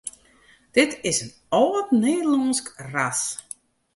Dit is in âld Nederlânsk ras.